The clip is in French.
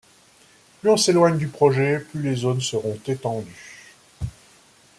Plus on s'éloigne du projet, plus les zones seront étendues.